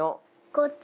こっち！